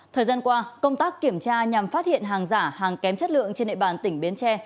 thời gian qua công tác kiểm tra nhằm phát hiện hàng giả hàng kém chất lượng trên nệ bản tỉnh biến tre